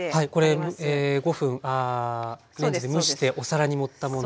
５分レンジで蒸してお皿に盛ったもの。